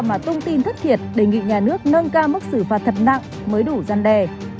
mà thông tin thất thiệt đề nghị nhà nước nâng cao mức xử phạt thật nặng mới đủ dân đe